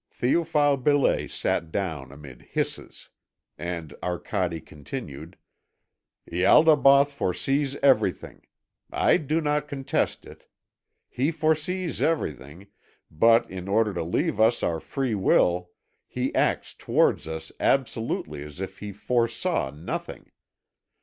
Théophile Belais sat down amid hisses. And Arcade continued: "Ialdabaoth foresees everything. I do not contest it. He foresees everything, but in order to leave us our free will he acts towards us absolutely as if he foresaw nothing.